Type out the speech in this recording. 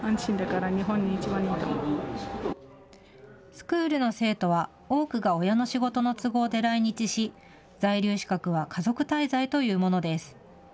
スクールの生徒は多くが親の仕事の都合で来日し、在留資格は家族滞在というものです。